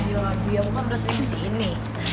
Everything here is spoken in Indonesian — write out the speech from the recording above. ya biar umat berasal di sini